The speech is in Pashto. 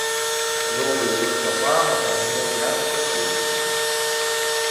د دغو بهیرونو له خوا مفاهیمو بیا کتنه وشي.